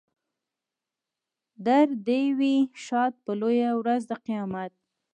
در دې وي ښاد په لویه ورځ د قیامت.